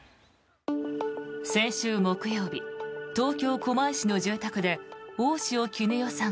先週木曜日東京・狛江市の住宅で大塩衣與さん